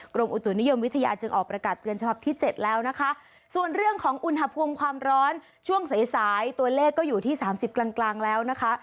กรมอุตถุนิยมวิทยาจึงออกประกาศเตือนฉภาพที่๗แล้วนะคะส่วนเรื่องของอุณหภวงความร้อนช่วงสายตัวเลขก็อยู่ที่๓๐กลางแล้วนะคะ